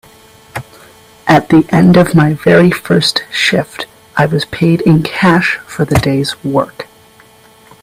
At the end of my very first shift, I was paid in cash for the day’s work.